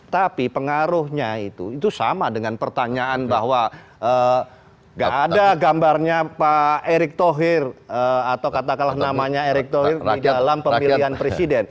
tapi pengaruhnya itu itu sama dengan pertanyaan bahwa gak ada gambarnya pak erick thohir atau katakanlah namanya erick thohir di dalam pemilihan presiden